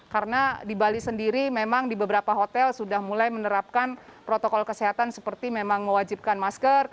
karena di bali sendiri memang di beberapa hotel sudah mulai menerapkan protokol kesehatan seperti memang mewajibkan masker